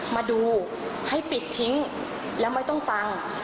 มาดูให้ปิดทิ้งแล้วไม่ต้องฟัง